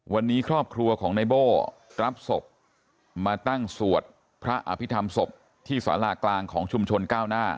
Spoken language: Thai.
วันนี้ครอบครัวของในโบ้รับศพมาตั้งสวดพระอภิษฐรรมศพที่สารากลางของชุมชนก้าวหน้า